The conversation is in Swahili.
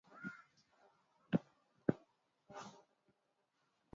Miji mikuu ni Tripoli Benghazi na Misratah Wakazi asili walikuwa